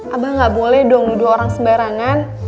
abah gak boleh dong dua orang sembarangan